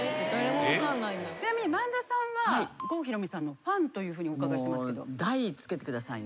ちなみに萬田さんは郷ひろみさんのファンとお伺いしてますけど。